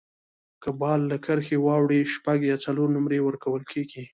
که بال له کرښي واوړي، شپږ یا څلور نومرې ورکول کیږي.